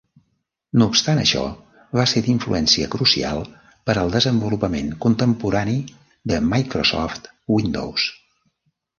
No obstant això, va ser d'influència crucial per al desenvolupament contemporani de Microsoft Windows.